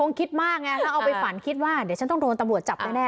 คิดมากไงถ้าเอาไปฝันคิดว่าเดี๋ยวฉันต้องโดนตำรวจจับแน่